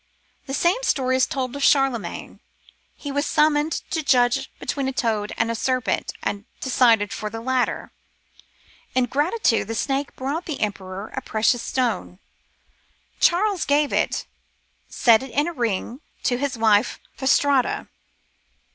The same story is told of Charlemagne. He was summoned to judge between a toad and a serpent, and decided for the latter. In gratitude the snake brought the Emperor a precious stone. Charles gave it, set in a ring, to his wife Fastrada.